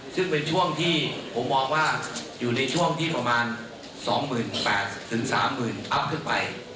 ซึ่งเป็นช่วงที่ผมมองว่าอยู่ในช่วงที่ประมาณ๒๘๐๐๓๐๐๐อัพขึ้นไป